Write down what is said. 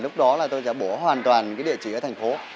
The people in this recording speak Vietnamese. thì tôi sẽ bổ hoàn toàn cái địa chỉ ở thành phố